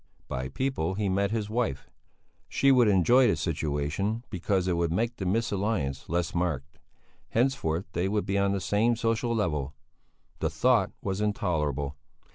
By people he meant his wife. She would enjoy the situation because it would make the misalliance less marked. Henceforth they would be on the same social level. The thought was intolerable.